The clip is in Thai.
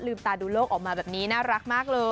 ตาดูโลกออกมาแบบนี้น่ารักมากเลย